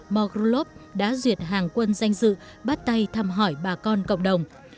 mogrolov đã duyệt hàng quân danh dự bắt tay thăm hỏi bà con cộng đồng